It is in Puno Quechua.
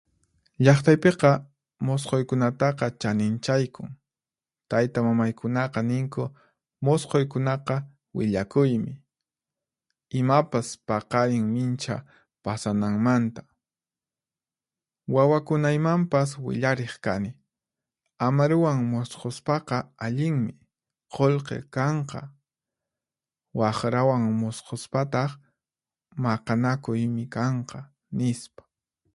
Llaqtaypiqa musqhuykunataqa chaninchaykun. Taytamamaykunaqa ninku musqhuykunaqa willakuymi, imapas paqarin minchha pasananmanta. Wawakunaymanpas willariq kani, amaruwan musqhuspaqa allinmi, qullqi kanqa; waqrawan musqhuspataq maqanakuymi kanqa, nispa.